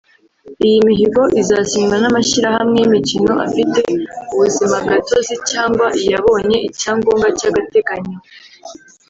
Iyi mihigo izasinywa n’amashyirahamwe y’imikino afite ubuzima gatozi cyangwa iyabonye icyangombwa cy’agateganyo